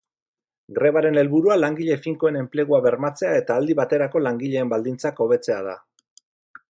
Grebaren helburua langile finkoen enplegua bermatzea eta aldi baterako langileen baldintzak hobetzea da.